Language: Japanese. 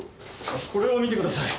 これを見てください。